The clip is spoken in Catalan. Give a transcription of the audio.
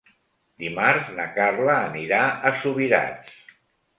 Dimarts na Carla anirà a Subirats.